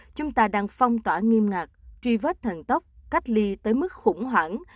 chúng ta đang phong tỏa nghiêm ngạc tri vết thần tốc cách ly tới mức khủng hoảng